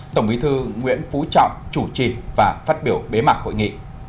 tổng bí thư nguyễn phú trọng chủ trì và phát biểu bế mạc hội nghị